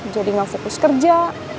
jadi nggak fokus kerja